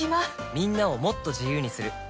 みんなをもっと自由にする「三菱冷蔵庫」